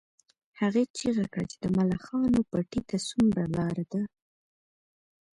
هغې چیغه کړه چې د ملخانو پټي ته څومره لار ده